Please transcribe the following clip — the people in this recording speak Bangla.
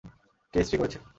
কে ইস্ত্রি করেছে?